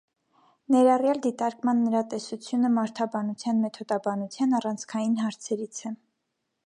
Ներառյալ դիտարկման նրա տեսությունը մարդաբանության մեթոդաբանության առանցքային հարցերից է։